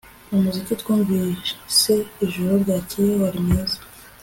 umuziki twumvise ijoro ryakeye wari mwiza